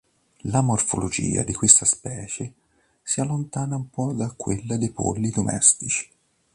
La morfologia di questa specie si allontana un po' da quella dei polli domestici.